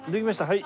はい。